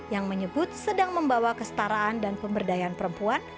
yang menyebut sedang membawa kestaraan dan pemberdayaan perempuan